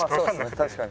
確かに。